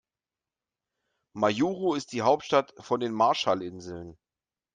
Majuro ist die Hauptstadt von den Marshallinseln.